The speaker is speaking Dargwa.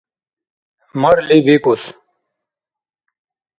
Марли бикӀус.